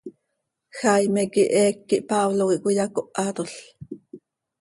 Jaime quih eec quih Pablo quih cöiyacóhatol.